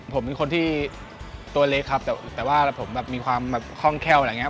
ผมเป็นคนที่ตัวเล็กครับแต่ว่าผมแบบมีความแบบคล่องแคล่วอะไรอย่างนี้